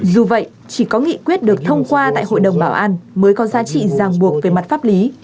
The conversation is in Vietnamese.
dù vậy chỉ có nghị quyết được thông qua tại hội đồng bảo an mới có giá trị giang buộc về mặt pháp lý